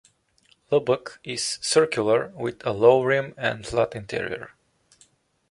Lubbock is circular, with a low rim and flat interior.